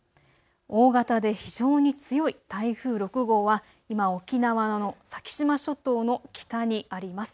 大型で非常に強い台風６号は今、沖縄の先島諸島の北にあります。